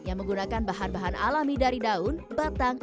yang menggunakan bahan bahan alami dari daun batang